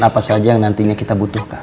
apa saja yang nantinya kita butuhkan